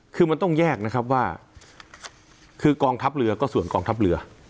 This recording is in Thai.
คือมันต้องแยกว่ากองทัพเรือก็ส่วนกองทัพเรือ